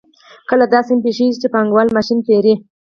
کله داسې هم پېښېږي چې پانګوال ماشین پېري